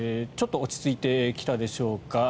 ちょっと落ち着いてきたでしょうか。